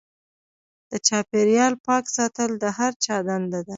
د چاپیریال پاک ساتل د هر چا دنده ده.